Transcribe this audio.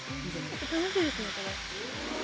楽しいですねこれ。